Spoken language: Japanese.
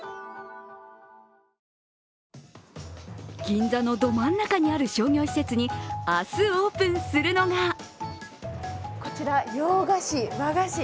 銀座のど真ん中にある商業施設に明日オープンするのがこちら、洋菓子、和菓子